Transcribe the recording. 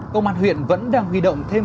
công an huyện vẫn đang huy động thêm